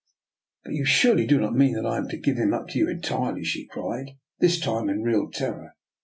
" But surely you do not mean that I am to give him up to you entirely? " she cried, this time in real terror.